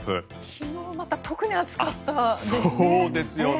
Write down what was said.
昨日また特に暑かったですよね。